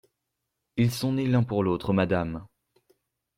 Ils sont nés l'un pour l'autre, Madame!